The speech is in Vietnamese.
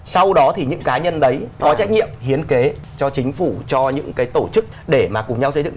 sau đó thì những cá nhân đấy có trách nhiệm hiến kế cho chính phủ cho những cái tổ chức để mà cùng nhau xây dựng